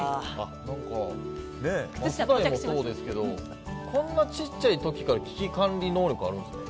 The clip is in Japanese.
マツダイもそうですけどこんなちっちゃい時から危機管理能力あるんですね。